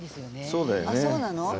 そうなの？